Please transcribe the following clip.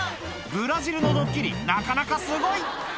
ブラジルのドッキリなかなかすごい！